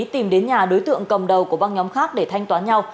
tìm đến nhà đối tượng cầm đầu của băng nhóm khác để thanh toán nhau